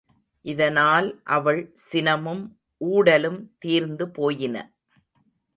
இதனால் அவள் சினமும் ஊடலும் தீர்ந்து போயின.